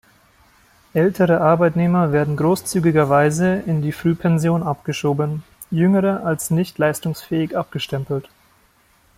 Ältere Arbeitnehmer werden großzügigerweise in die Frühpension abgeschoben, jüngere als nicht leistungsfähig abgestempelt.